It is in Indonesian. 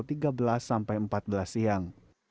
pukul tiga belas sampai empat belas siang